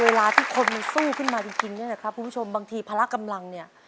เวลาที่คนมันสู้ขึ้นมาจริงเนี่ยนะครับคุณผู้ชมบางทีพละกำลังเนี่ย